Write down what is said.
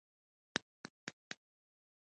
کله چې شرایط نور وي او دی په واک کې وي بدلېږي به نه.